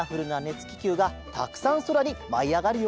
つききゅうがたくさんそらにまいあがるよ。